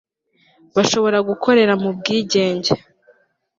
bashobore gukorera mu bwigenge